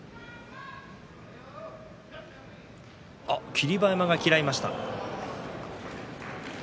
霧馬山が嫌いました。